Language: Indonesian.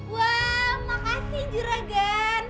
wah makasih juragan